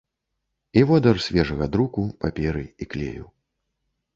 І водар свежага друку, паперы і клею.